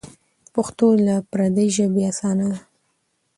پښتو له پردۍ ژبې اسانه ده.